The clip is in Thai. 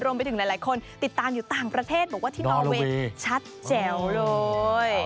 รวมไปถึงหลายคนติดตามอยู่ต่างประเทศบอกว่าที่นอเวย์ชัดแจ๋วเลย